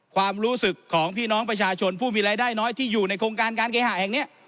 ความรู้สึกของพี่น้องประชาชนผู้มีรายได้น้อยที่อยู่ในโครงการการเคหะแห่งนี้